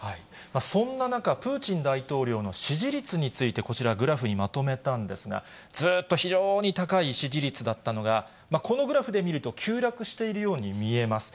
そんな中、プーチン大統領の支持率について、こちら、グラフにまとめたんですが、ずーっと非常に高い支持率だったのが、このグラフで見ると急落しているように見えます。